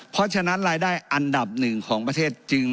เพราะฉะนั้นรายได้อันดับหนึ่งของประเทศจึง